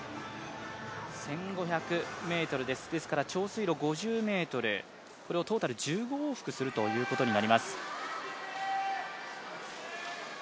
１５００ｍです、ですから長水路５０ｍをトータル１５往復するということになります。